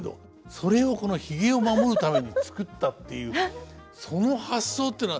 それをこのひげを守るために作ったっていうその発想っていうのは。